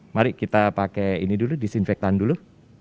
mari kita pakai ini dulu disinfektan dulu